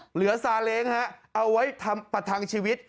เหลือสาเลงเอาไว้ประทังชีวิต